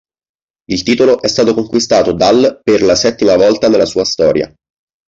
Il titolo è stato conquistato dal per la settima volta nella sua storia.